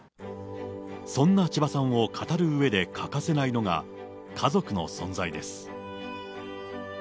そんな千葉さんを語るうえで欠かせないのが、家族の存在です。